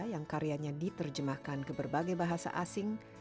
yang karyanya diterjemahkan ke berbagai bahasa asing